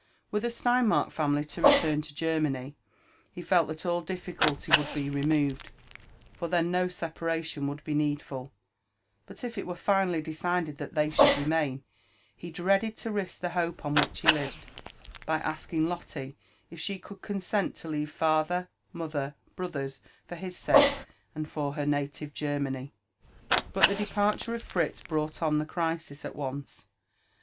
Were the Steinmark family to return to Germany, he felt that all difficulty would be removed, for then no separation would be needful; but if it were finally decided that they should remain, he dreaded to risk the hope on which he lived, by asking Lotte if she could consent to leave father, mother, brothers, for his sake, and for her native Germany. But the departure of Fritz brought on the crisis at once.